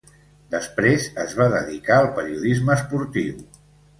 Després, es va dedicar al periodisme esportiu.